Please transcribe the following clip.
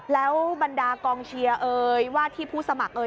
แล้วบรรดากองเชียร์เอ่ยว่าที่ผู้สมัครเอ่ย